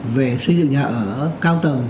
về xây dựng nhà ở cao tầng